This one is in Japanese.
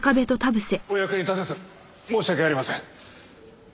お役に立てず申し訳ありません。